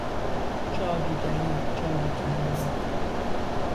جادوگری، جادو کردن